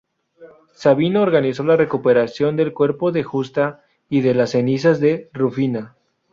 Sabino organizó la recuperación del cuerpo de Justa y de las cenizas de Rufina.